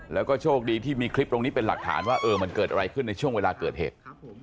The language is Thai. แล้วก็โชคดีที่มีคลิปตรงนี้เป็นหลักฐานว่ามันเกิดอะไรขึ้นในช่วงเวลาเกิดเหตุ